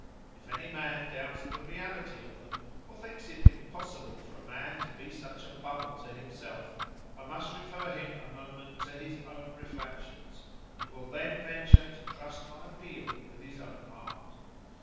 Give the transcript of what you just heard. If any man doubts the reality of them, or thinks it impossible for a man to be such a bubble to himself,—I must refer him a moment to his own reflections, and will then venture to trust my appeal with his own heart.